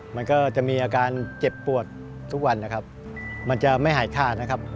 มันก็จะมีอาการเจ็บปวดทุกวันนะครับมันจะไม่หายขาดนะครับ